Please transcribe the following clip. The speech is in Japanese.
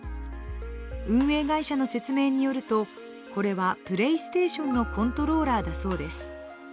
運営会社の説明によるとこれは、プレイステーションのコントローラーだそうです。